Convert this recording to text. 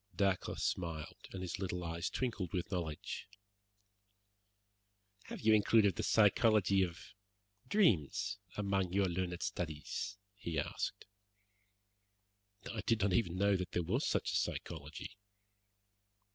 Dacre smiled, and his little eyes twinkled with knowledge. "Have you included the psychology of dreams among your learned studies?" he asked. "I did not even know that there was such a psychology."